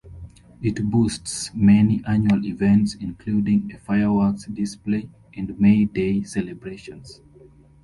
It boasts many annual events, including a fireworks display and May Day celebrations.